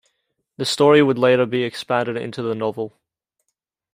The story would later be expanded into the novel.